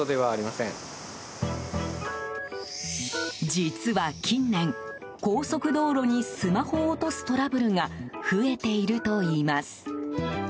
実は近年、高速道路にスマホを落とすトラブルが増えているといいます。